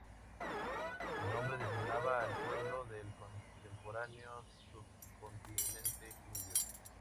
El nombre designaba al pueblo del contemporáneo Subcontinente Indio.